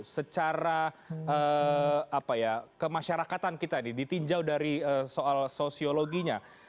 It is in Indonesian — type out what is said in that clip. secara kemasyarakatan kita ini ditinjau dari soal sosiologinya